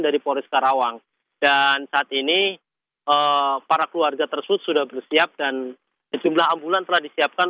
dari polres karawang dan saat ini para keluarga tersudah bersiap dan jumlah ambulansi disiapkan